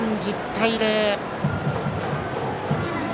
１０対０。